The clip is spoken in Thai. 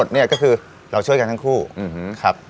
เนี่ยก็คือเราช่วยกันทั้งคู่ครับ